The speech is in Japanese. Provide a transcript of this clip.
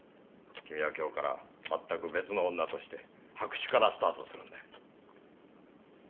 君は今日からまったく別の女として白紙からスタートするんだよ。